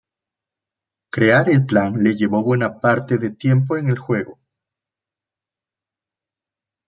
Crear el plan le llevo buena parte de tiempo en el juego.